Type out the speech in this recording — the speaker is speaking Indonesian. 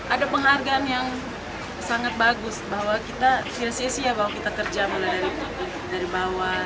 ada penghargaan yang sangat bagus bahwa kita khil cc ya bahwa kita kerja mulai dari bawah